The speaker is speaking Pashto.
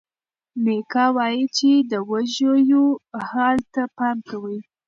میکا وایي چې د وږیو حال ته پام کوي.